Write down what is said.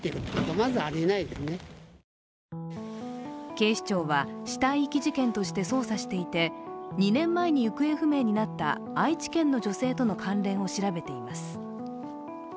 警視庁は、死体遺棄事件として捜査していて、２年前に行方不明になった愛知県の女性との関連を調べています。